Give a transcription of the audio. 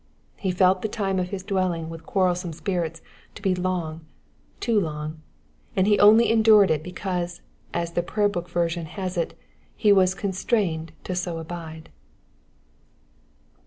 He felt the time of his dwelling with quarrelsome spirits to be long, too long ; and he only endured it because, aa the Prayer book version has it, he was constrained so to abide.